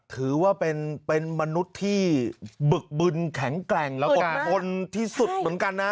ถือว่าเป็นมนุษย์ที่บึกบึนแข็งแกร่งและอดทนที่สุดเหมือนกันนะ